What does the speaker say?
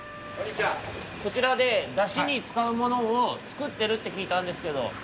こちらでだしにつかうものをつくってるってきいたんですけど。